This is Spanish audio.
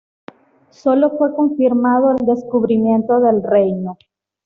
Sólo fue confirmado el descubrimiento del renio.